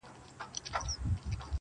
بیا مي ګوم ظالم ارمان په کاڼو ولي,